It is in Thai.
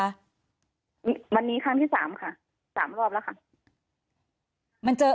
วันนี้ครั้งที่๓ค่ะ๓รอบแล้วค่ะ